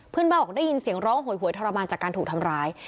เพื่อนบ้านบอกว่าได้ยินเสียงร้องหวยหวยทรมานจากการถูกทำร้าย